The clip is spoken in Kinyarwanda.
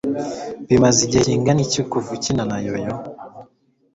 Bimaze igihe kingana iki kuva ukina na yo-yo?